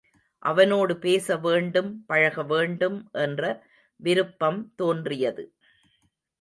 அவனோடு பேச வேண்டும் பழகவேண்டும் என்ற விருப்பம் தோன்றியது.